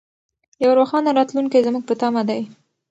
یو روښانه راتلونکی زموږ په تمه دی.